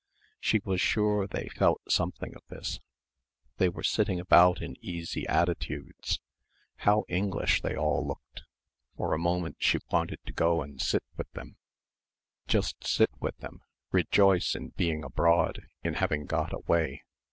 She was sure they felt something of this. They were sitting about in easy attitudes. How English they all looked ... for a moment she wanted to go and sit with them just sit with them, rejoice in being abroad; in having got away.